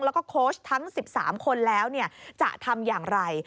แล้วก็โค้ชทั้ง๑๓คนแล้วจะทำอย่างไร